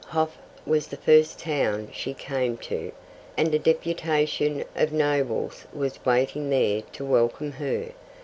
Hof was the first town she came to, and a deputation of nobles was waiting there to welcome her.